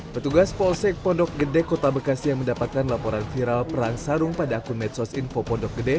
petugas polsek pondok gede kota bekasi yang mendapatkan laporan viral perang sarung pada akun medsos info pondok gede